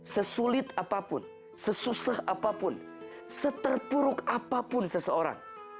sesulit apapun sesusah apapun seterpuruk apapun seseorang